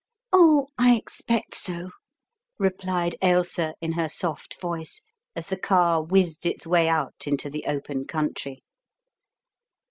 "Oh, I expect so," replied Ailsa in her soft voice, as the car whizzed its way out into the open country.